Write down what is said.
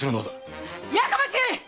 やかましい！